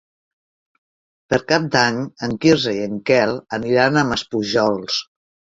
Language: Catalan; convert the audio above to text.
Per Cap d'Any en Quirze i en Quel aniran a Maspujols.